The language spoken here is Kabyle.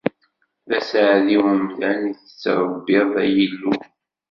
D aseɛdi umdan i tettṛebbiḍ, ay Illu!